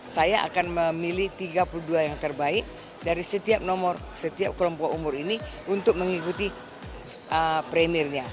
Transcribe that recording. saya akan memilih tiga puluh dua yang terbaik dari setiap nomor setiap kelompok umur ini untuk mengikuti premiernya